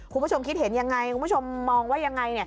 คุณผู้ชมคิดเห็นยังไงคุณผู้ชมมองว่ายังไง